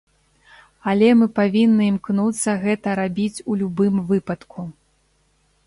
Але мы павінны імкнуцца гэта рабіць у любым выпадку.